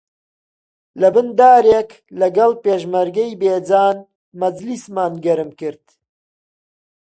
لەبن دارێک لەگەڵ پێشمەرگەی بێجان مەجلیسمان گەرم کرد